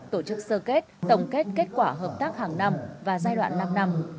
tổ chức sơ kết tổng kết kết quả hợp tác hàng năm và giai đoạn năm năm